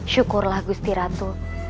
syukurlah gusti ratu